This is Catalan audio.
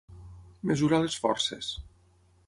Mesurar les forces.